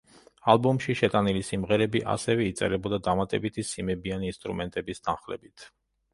ალბომში შეტანილი სიმღერები ასევე იწერებოდა დამატებითი სიმებიანი ინსტრუმენტების თანხლებით.